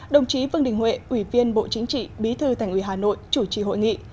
đồng chí vương đình huệ ủy viên bộ chính trị bí thư thành ủy hà nội chủ trì hội nghị